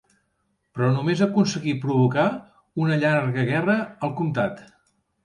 Però només aconseguí provocar una llarga guerra al comtat.